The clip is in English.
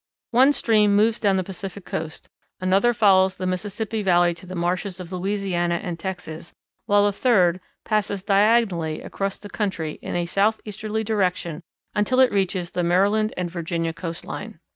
One stream moves down the Pacific Coast, another follows the Mississippi Valley to the marshes of Louisiana and Texas, while a third passes diagonally across the country in a southeasterly direction until it reaches the Maryland and Virginia coastline.